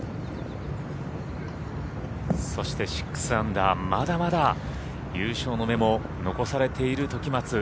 そして、６アンダー、まだまだ優勝の芽も残されている時松。